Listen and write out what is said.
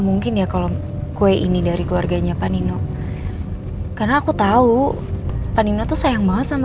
mungkin ya kalau gue ini dari keluarganya panino karena aku tahu panino tuh sayang banget sama